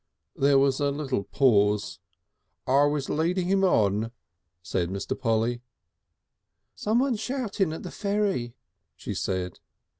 There was a little pause. "I was leading him on," said Mr. Polly. "Someone's shouting at the ferry," she said.